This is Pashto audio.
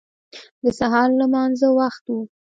د سهار لمانځه وخت و.